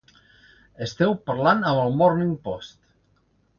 Esteu parlant amb el Morning Post.